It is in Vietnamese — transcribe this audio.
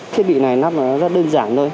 thiết bị này lắp là rất đơn giản thôi